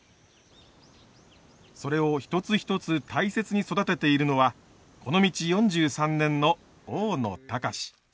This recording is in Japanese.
それを一つ一つ大切に育てているのはこの道４３年の大野峯。